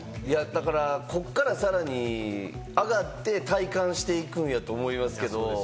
ここからさらに上がって体感していくんやと思いますけれども。